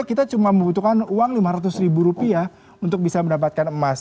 kita cuma membutuhkan uang rp lima ratus untuk bisa mendapatkan emas